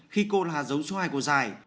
khi cô là giống số hai của giải